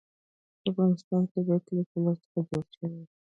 د افغانستان طبیعت له طلا څخه جوړ شوی دی.